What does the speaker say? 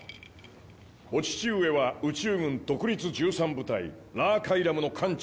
お父上は宇宙軍独立１３部隊ラー・カイラムの艦長